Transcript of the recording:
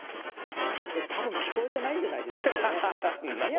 たぶん聞こえてないんじゃないですかね。